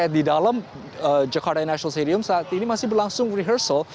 di dalam jakarta international stadium saat ini masih berlangsung rehearsal